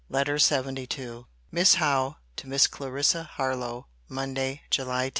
LETTER LXXII MISS HOWE, TO MISS CLARISSA HARLOWE MONDAY, JULY 10.